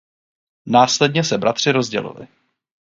Následně se bratři rozdělili.